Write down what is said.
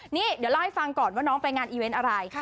นี่เดี๋ยวเล่าให้ฟังก่อนว่าน้องไปงานอีเวนต์อะไร